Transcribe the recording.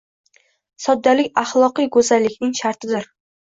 Soddalik axloqiy go’zallikning shartidir.